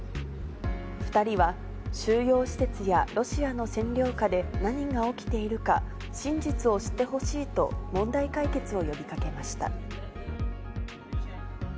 ２人は、収容施設やロシアの占領下で何が起きているか、真実を知ってほしいと問題解決を呼びかけました。